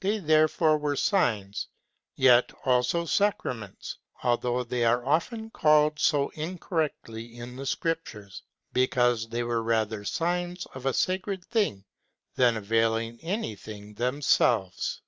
They therefore were signs, yet also sacraments, although they are often called so incorrectly in the Scriptures, because they were rather signs of a sacred thing than availing anything themselves.